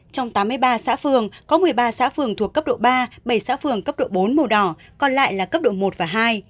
trong tám mươi ba xã phường có một mươi ba xã phường thuộc cấp độ ba bảy xã phường cấp độ bốn màu đỏ còn lại là cấp độ một và hai